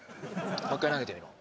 もう一回投げてみろ。